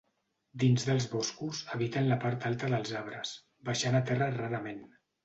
Dins dels boscos, habiten la part alta dels arbres, baixant a terra rarament.